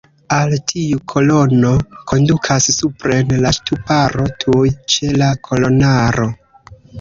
Al tiu kolono kondukas supren la ŝtuparo tuj ĉe la kolonaro.